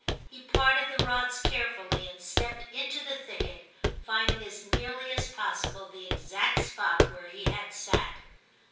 He parted the rods carefully, and stepped into the thicket, finding as nearly as possible the exact spot where he had sat.